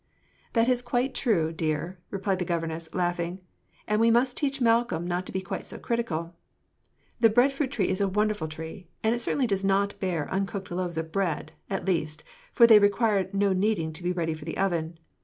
"That is quite true, dear," replied her governess, laughing, "and we must teach Malcolm not to be quite so critical. The bread fruit is a wonderful tree, and it certainly does bear uncooked loaves of bread, at least, for they require no kneading to be ready for the oven.